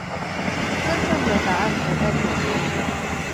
真正的答案不在表面